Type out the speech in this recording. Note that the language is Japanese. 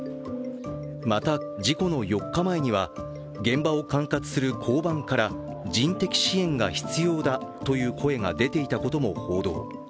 また、事故の４日前には現場を管轄する交番から人的支援が必要だという声が出ていたことも報道。